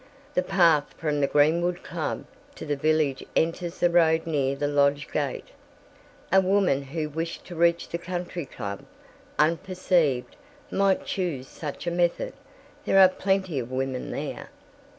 The path from the Greenwood Club to the village enters the road near the lodge gate. A woman who wished to reach the Country Club, unperceived, might choose such a method. There are plenty of women there."